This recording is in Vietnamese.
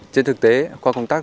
trên thực tế qua công tác